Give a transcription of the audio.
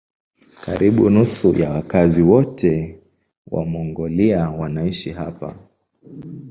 Karibu nusu ya wakazi wote wa Mongolia wanaishi hapa.